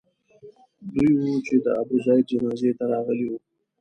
دوی وو چې د ابوزید جنازې ته راغلي وو.